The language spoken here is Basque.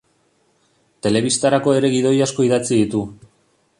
Telebistarako ere gidoi asko idatzi ditu.